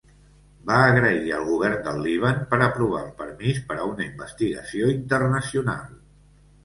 Va agrair al Govern del Líban per aprovar el permís per a una investigació internacional.